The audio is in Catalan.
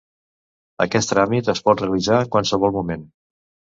Aquest tràmit es pot realitzar en qualsevol moment.